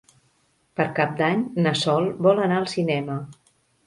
Per Cap d'Any na Sol vol anar al cinema.